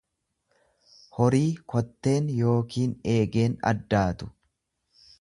horii kotteen yookiin eegeen addaatu.